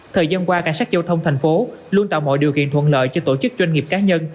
thời gian qua cảnh sát giao thông thành phố luôn tạo mọi điều kiện thuận lợi cho tổ chức doanh nghiệp cá nhân